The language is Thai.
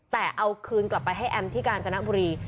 แต่เอาคืนกลับไปให้แอมที่กาญจนบุรี